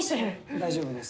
大丈夫です。